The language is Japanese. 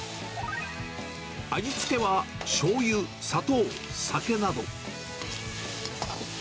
味付けはしょうゆ、砂糖、酒など。